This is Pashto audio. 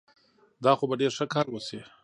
دا خو به ډېر ښه کار وشي.